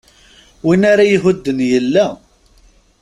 Win ara ihudden yella.